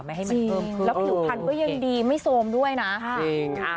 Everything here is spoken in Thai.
แล้วผิวภัณฑ์ก็ยังดีไม่โซมด้วยนะค่ะ